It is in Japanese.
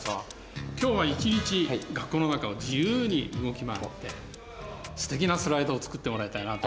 今日は一日学校の中を自由に動き回ってすてきなスライドを作ってもらいたいなと思ってます。